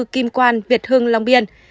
chín mươi bốn kim quan việt hưng long biên